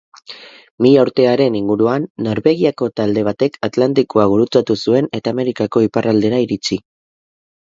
Mila urtearen inguruan, Norvegiako talde batek Atlantikoa gurutzatu zuen eta Amerikako iparraldera iritsi.